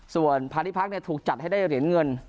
ส่วนพาณิพักษ์ถูกจัดให้ได้เหรียญเงิน